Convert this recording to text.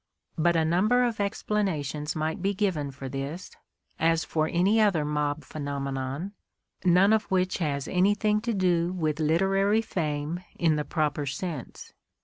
But a number of explanations might be given for this, as for any other mob phenomenon, none of which has anything to do with literary fame in the proper sense.